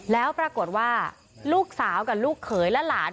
แล้วปรากฏว่าลูกสาวกับลูกเขยและหลาน